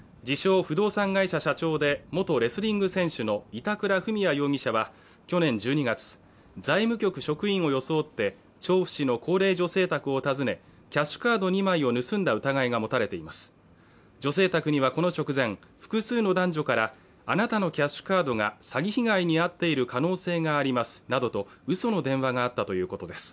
不動産会社社長で元レスリング選手の板倉史也容疑者は去年１２月財務局職員を装って調布市の高齢女性宅を訪ねキャッシュカード２枚を盗んだ疑いが持たれています女性宅にはこの直前複数の男女からあなたのキャッシュカードが詐欺被害に遭っている可能性がありますなどとうその電話があったということです